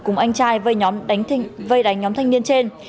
cùng anh trai vây đánh nhóm thanh niên trên